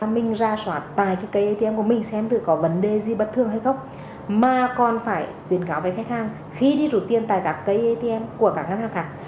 mình ra soát tại cái cây atm của mình xem từ có vấn đề gì bất thường hay không mà còn phải khuyến cáo với khách hàng khi đi rút tiền tại các cây atm của các ngân hàng khác